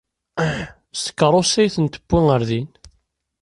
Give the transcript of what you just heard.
S tkeṛṛust ay ten-tewwi ɣer din.